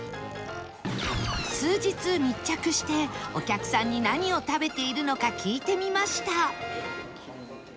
数日密着してお客さんに何を食べているのか聞いてみました